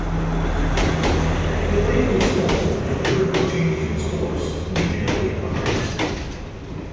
The lake was formed when the river changed its course leaving a lake behind.